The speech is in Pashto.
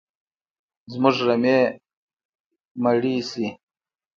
زموږ رمې مړي شي